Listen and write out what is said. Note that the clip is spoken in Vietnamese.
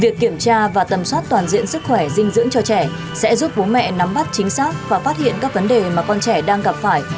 việc kiểm tra và tầm soát toàn diện sức khỏe dinh dưỡng cho trẻ sẽ giúp bố mẹ nắm bắt chính xác và phát hiện các vấn đề mà con trẻ đang gặp phải